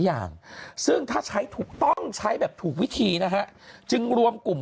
อย่างซึ่งถ้าใช้ถูกต้องใช้แบบถูกวิธีนะฮะจึงรวมกลุ่ม